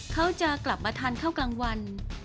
เขาจะกลับมาทานข้าวกลางวัน